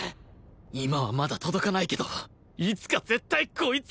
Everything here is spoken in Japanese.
今はまだ届かないけどいつか絶対こいつに勝つ！